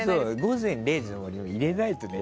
「午前０時の森」も入れないとね。